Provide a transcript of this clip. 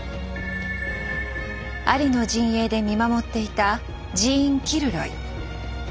アリの陣営で見守っていたジーン・キルロイ。